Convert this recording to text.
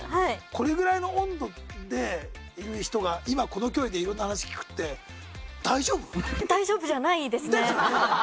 これぐらいの温度でいる人が今この距離で色んな話聞くって大丈夫？ですよね。